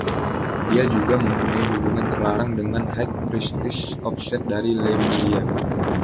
Dia juga mempunyai hubungan terlarang dengan High Priestess of Set dari Lemuria.